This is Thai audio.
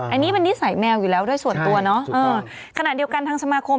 อันนี้เป็นนิสัยแมวอยู่แล้วด้วยส่วนตัวเนอะเออขณะเดียวกันทางสมาคม